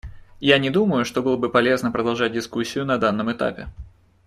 Я не думаю, что было бы полезно продолжать дискуссию на данном этапе.